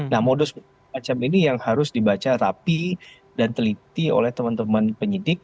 nah modus macam ini yang harus dibaca rapi dan teliti oleh teman teman penyidik